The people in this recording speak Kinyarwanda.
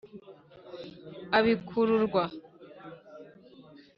ibikururwa